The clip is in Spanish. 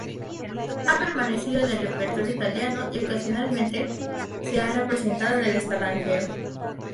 Ha permanecido en el repertorio italiano y ocasionalmente se ha representado en el extranjero.